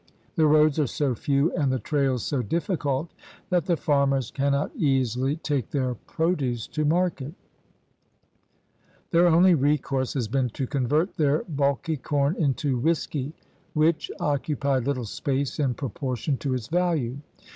The roads are so few and the trails so diflScult that the farmers cannot easily take their produce to market Their only recourse has been to convert their bulky corn into whisky, which occupied little space in proportion to its value.